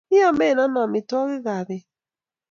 Iame ano amitwogikab beet?